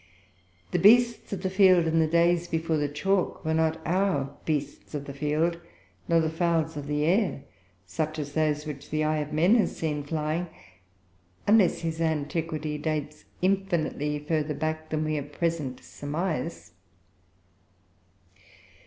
The beasts of the field, in the days before the chalk, were not our beasts of the field, nor the fowls of the air such as those which the eye of men has seen flying, unless his antiquity dates infinitely further back than we at present surmise.